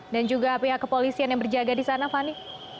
dan juga pihak kepolisian yang berjaga di sana fani